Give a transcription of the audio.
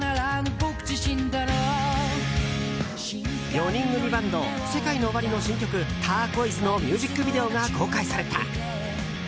４人組バンドＳＥＫＡＩＮＯＯＷＡＲＩの新曲「ターコイズ」のミュージックビデオが公開された。